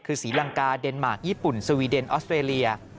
คือศรีลังกาเดนมาร์คญี่ปุ่นสวีเดนออสเตรเลีย